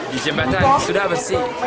di jembatan sudah bersih